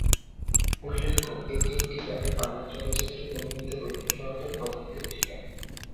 উল্লেখ্য, এই তিনটি গানই বাংলা চলচ্চিত্রে ব্যবহৃত রবীন্দ্রনাথের প্রথম তিনটি গান।